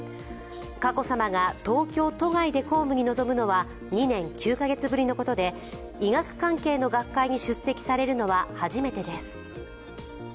佳子さまが東京都外で公務に臨むのは２年９カ月ぶりのことで医学関係の学会に出席されるのは初めてです。